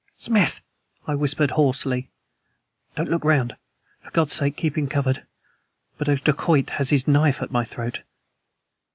"Smith!" I whispered hoarsely, "don't look around. For God's sake keep him covered. But a dacoit has his knife at my throat!"